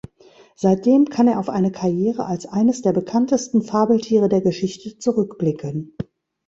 Seitdem kann er auf eine „Karriere“ als eines der bekanntesten Fabeltiere der Geschichte zurückblicken.